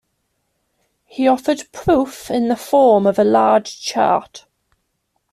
He offered proof in the form of a large chart.